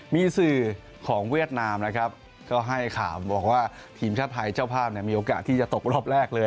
มีสื่อของเวียดนามนะครับก็ให้ข่าวบอกว่าทีมชาติไทยเจ้าภาพมีโอกาสที่จะตกรอบแรกเลย